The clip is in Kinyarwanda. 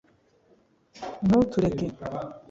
ntutureke